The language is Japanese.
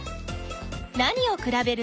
何をくらべる？